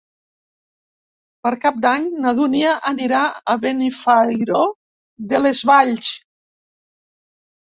Per Cap d'Any na Dúnia anirà a Benifairó de les Valls.